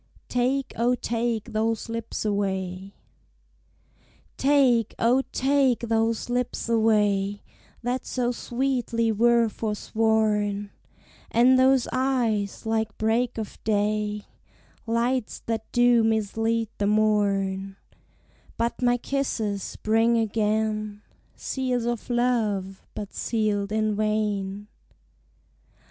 TAKE, O, TAKE THOSE LIPS AWAY. Take, O, take those lips away, That so sweetly were forsworn; And those eyes, like break of day, Lights that do mislead the morn; But my kisses bring again, Seals of love, but sealed in vain.